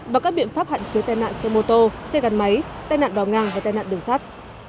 và các biện pháp hạn chế tài nạn xe mô tô xe gắn máy tài nạn đò ngang hay tài nạn đường sát